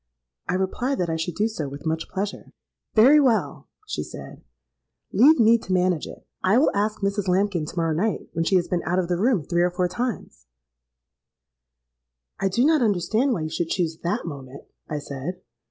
'—I replied that I should do so with much pleasure.—'Very well,' she said; 'leave me to manage it. I will ask Mrs. Lambkin to morrow night, when she has been out of the room three or four times——.'—'I do not understand why you should choose that moment,' I said.